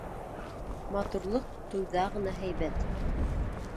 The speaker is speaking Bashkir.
Матурлыҡ туйҙа ғына һәйбәт.